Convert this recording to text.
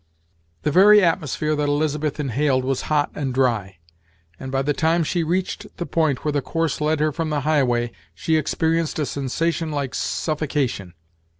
The very atmosphere that Elizabeth inhaled was hot and dry, and by the time she reached the point where the course led her from the highway she experienced a sensation like suffocation.